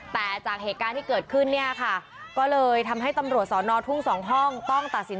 แต่จากเหตุการณ์ที่เกิดขึ้นเนี่ยค่ะก็เลยทำให้ตำรวจสอนอทุ่งสองห้องต้องตัดสิน